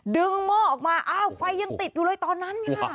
หม้อออกมาอ้าวไฟยังติดอยู่เลยตอนนั้น